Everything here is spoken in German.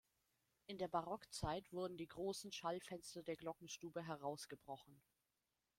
In der Barockzeit wurden die großen Schallfenster der Glockenstube herausgebrochen.